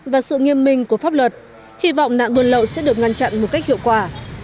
và sự nghiêm minh của pháp luật hy vọng nạn buôn lậu sẽ được ngăn chặn một cách hiệu quả